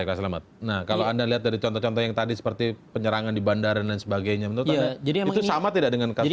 baik pak selamat nah kalau anda lihat dari contoh contoh yang tadi seperti penyerangan di bandara dan lain sebagainya menurut anda itu sama tidak dengan kasus persekusi